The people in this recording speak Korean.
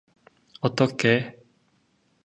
어떻게?